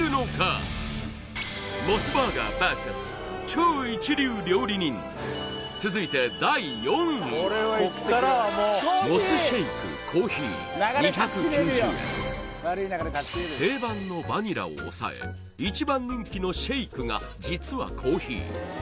はい目標の続いて第４位は定番のバニラを抑え一番人気のシェイクが実はコーヒー